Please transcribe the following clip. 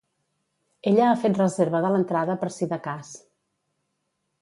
Ella ha fet reserva de l'entrada per si de cas.